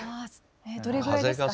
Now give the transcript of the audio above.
どれぐらいですか？